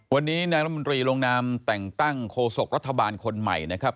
วันนี้นายรัฐมนตรีลงนามแต่งตั้งโคศกรัฐบาลคนใหม่นะครับ